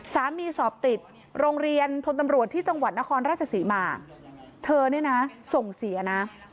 สอบติดโรงเรียนพลตำรวจที่จังหวัดนครราชศรีมาเธอเนี่ยนะส่งเสียนะ